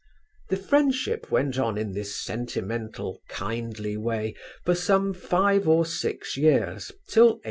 The friendship went on in this sentimental kindly way for some five or six years till 1860.